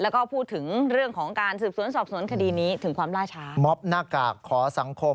แล้วก็พูดถึงเรื่องของการสืบสวนนสอบสวนคดีนี้ถึงความร่าชา